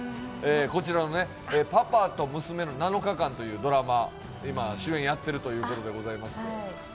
こちらの「パパとムスメの７日間」というドラマ、今、主演をやっているということでございます。